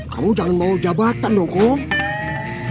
kamu jangan bawa jabatan dong kok